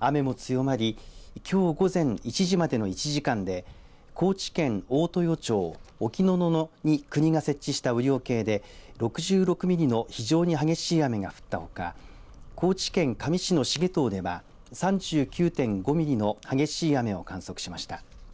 雨も強まりきょう午前１時までの１時間で高知県大豊町沖野々の国が設置した雨量計で６６ミリの非常に激しい雨が降ったほか高知県香美市の繁藤では３９．５ミリの激しい雨を観測しました。